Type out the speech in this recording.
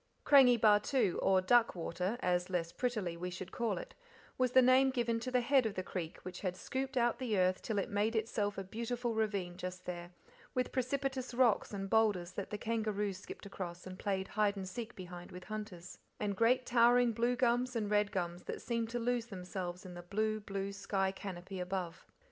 Krangi Bahtoo or Duck Water, as, less prettily, we should call it was the name given to the head of the creek, which had scooped out the earth till it made itself a beautiful ravine just there, with precipitous rocks and boulders that the kangaroos skipped across and played hide and seek behind with hunters, and great towering blue gums and red gums, that seemed to lose themselves in the blue, blue sky canopy above.